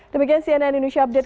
demikian cnn indonesia update